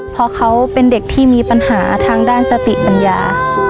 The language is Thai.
เพราะเขาเป็นเด็กที่มีปัญหาทางด้านสติปัญญา